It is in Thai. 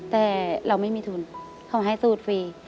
แต่เราไม่มีทุนเขาให้สูตรฟรี